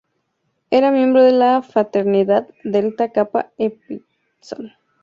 Era miembro de la fraternidad Delta Kappa Epsilon.